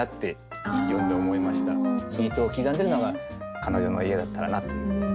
ビートを刻んでいるのが彼女の家だったらなという。